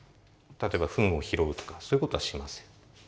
例えばフンを拾うとかそういうことはしません。